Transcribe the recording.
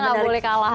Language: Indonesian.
gak boleh kalah